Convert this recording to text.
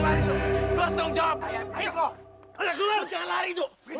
kamu gak boleh lari lo lo harus tanggung jawab